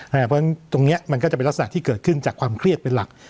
เพราะฉะนั้นตรงนี้มันก็จะเป็นลักษณะที่เกิดขึ้นจากความเครียดเป็นหลัก